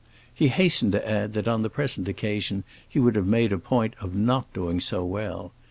He hastened to add that on the present occasion he would have made a point of not doing so well.